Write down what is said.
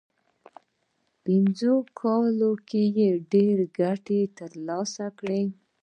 په پنځو کلونو کې ډېره ګټه ترلاسه کړه.